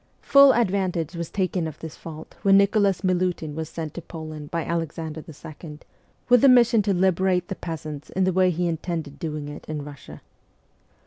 Full advantage was taken of this fault when Nicholas Milutin was sent to Poland by Alexander II. with the mission to liberate the peasants in the way he intended doing it in Russia.